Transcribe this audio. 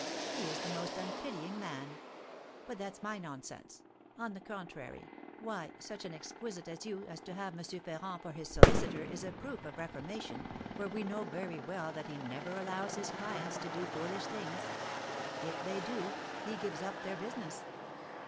He is the most unpitying man But that's my nonsense; on the contrary, why, such an exquisite as you to have M. Ferrand for his solicitor is a proof of reformation, for we know very well that he never allows his clients to do foolish things; if they do, he gives up their business.